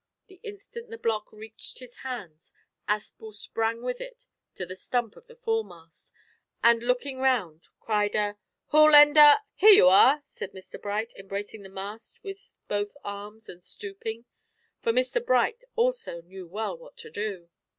The instant the block reached his hands Aspel sprang with it to the stump of the foremast, and looking round cried, "Who'll lend a " "Here you are," said Mr Bright, embracing the mast with both arms and stooping, for Mr Bright also knew well what to do.